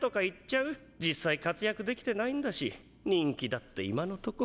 実際活躍できてないんだし人気だって今のとこ。